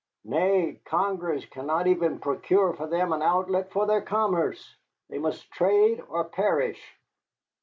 Nay, Congress cannot even procure for them an outlet for their commerce. They must trade or perish.